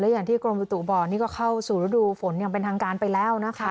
อย่างที่กรมบุตุบอกนี่ก็เข้าสู่ฤดูฝนอย่างเป็นทางการไปแล้วนะคะ